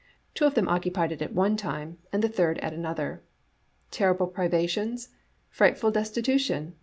Two of them occupied it at one time, and the third at another. Terrible privations? Frightful destitution?